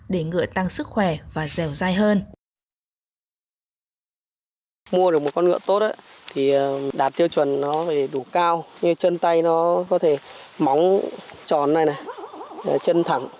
để ngựa tăng sức khỏe và sức khỏe